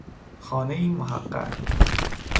خانهای محقر